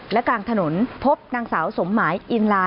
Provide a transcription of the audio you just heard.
และกลางถนนพบนางสาวสมหมายอินลา